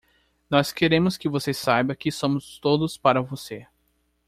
Nós queremos que você saiba que somos todos para você.